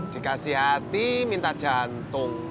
dikasih hati minta jantung